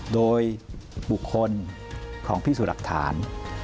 โดยบุคคลของพิสูจน์หลักฐาน